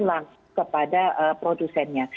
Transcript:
langsung kepada produsennya